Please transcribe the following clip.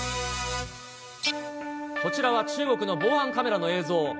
こちらは中国の防犯カメラの映像。